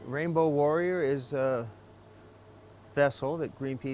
rainbow warrior adalah kapal yang dipakai oleh greenpeace untuk melakukan kampanye